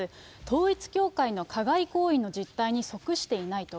統一教会の加害行為の実態に即していないと。